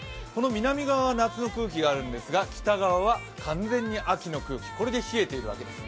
南側は夏の空気があるんですが北側は完全に秋の空気これで冷えているわけです。